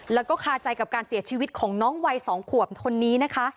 แล้วก็คาใจกับการเสียชีวิตของน้องวัย๒ขวบคนนี้นะคะ